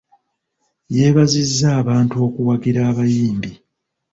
Yeebazizza abantu okuwagira abayimbi.